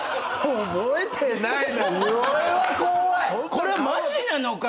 これマジなのか。